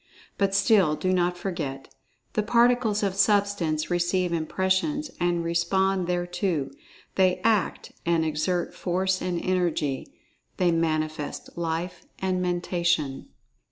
But still, do not forget—the Particles of Substance receive impressions and respond thereto—they act and exert Force and Energy—they manifest Life and Mentation.